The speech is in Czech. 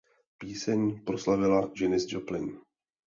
Píseň proslavila Janis Joplin.